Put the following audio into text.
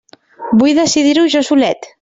Vull decidir-ho jo solet!